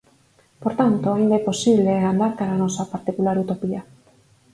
Por tanto, aínda é posible andar cara á nosa particular utopía.